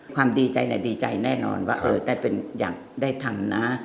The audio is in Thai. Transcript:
ความดีใจดีใจแน่นอนว่าเออได้อยากได้ทำนะ